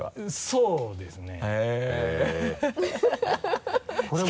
そうですね。